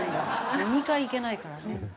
飲み会行けないからね。